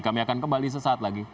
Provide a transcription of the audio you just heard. kami akan kembali sesaat lagi